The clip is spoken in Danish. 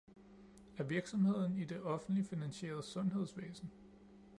af virksomheden i det offentligt finansierede sundhedsvæsen